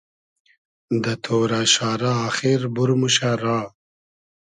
دۂ تۉرۂ شارۂ آخیر بور موشۂ را